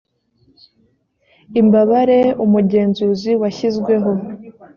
imbabare umugenzuzi washyizweho